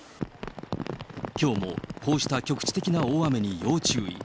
きょうも、こうした局地的な大雨に要注意。